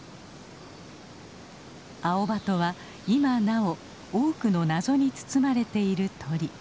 アオバトは今なお多くの謎に包まれている鳥。